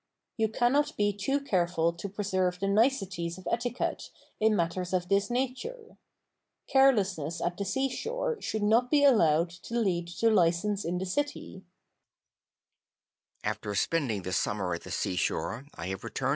You cannot be too careful to preserve the niceties of etiquette in matters of this nature. Carelessness at the seashore should not be allowed to lead to license in the city.